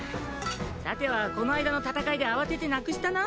さてはこの間の戦いで慌ててなくしたな。